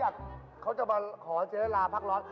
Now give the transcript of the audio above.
พี่เบิร์ดเขาจะมาขอเจราลาพักร้อน